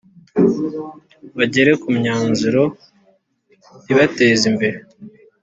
bagere ku myanzuro ibateza imbere.